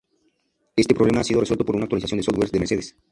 Este problema ha sido resuelto por una actualización de software de Mercedes.